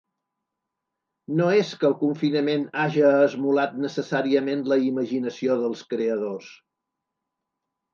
No és que el confinament haja esmolat necessàriament la imaginació dels creadors.